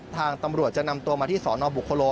ทางตำรวจจะนำตัวมาที่สนบุคโล